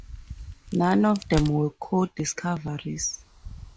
None of them were co-discoveries.